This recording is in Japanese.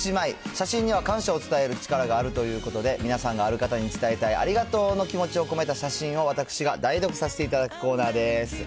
写真には感謝を伝える力があるということで、皆さんがある方に伝えたいありがとうの気持ちを込めた写真を私が代読させていただくコーナーです。